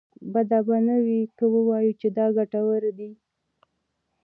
بده به نه وي که ووايو چې دا ګټورې دي.